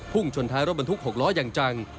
ชนท้ายรถบรรทุก๖ล้ออย่างจัง